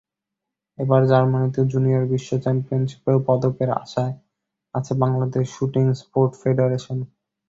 এবার জার্মানিতে জুনিয়র বিশ্ব চ্যাম্পিয়নশিপেও পদকের আশায় আছে বাংলাদেশ শুটিং স্পোর্ট ফেডারেশন।